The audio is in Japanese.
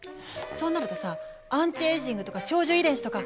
そうなるとさアンチエイジングとか長寿遺伝子とか